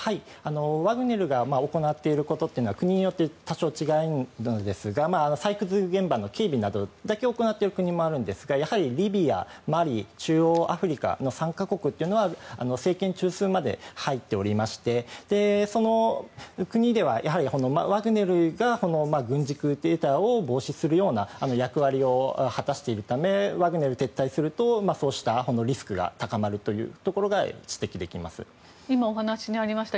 ワグネルが行っていることというのは国によって多少違うんですが採掘現場の警備などだけ行っている国もあるんですがやはりリビア、マリ中央アフリカの３か国というのは政権中枢まで入っておりましてその国ではワグネルが軍事クーデターを防止するような役割を果たしているためワグネルが撤退するとそうしたリスクが高まるというところが今、お話にありました